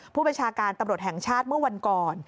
ผู้บัญชาการตำรวจแห่งชาติเมื่อวันก่อน